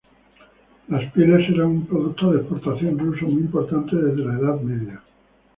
Las pieles eran un producto de exportación ruso muy importante desde la edad media.